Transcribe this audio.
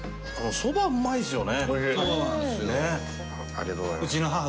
そばうまいですよね。